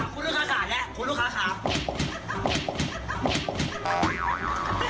คุณลูกค้าขาคุณลูกค้าขายเนี่ย